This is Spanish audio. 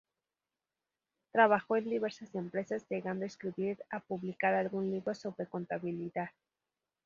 Trabajó en diversas empresas, llegando a escribir a publicar algún libro sobre contabilidad.